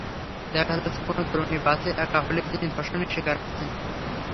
দেখা যাচ্ছে, কোনো তরুণী বাসে একা হলেই তিনি ধর্ষণের শিকার হচ্ছেন।